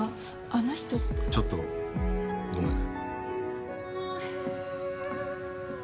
あの人ってちょっとごめん